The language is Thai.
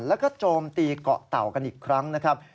แล้วก็โจมตีเกาะเต่ากันอีกครั้งนะครับ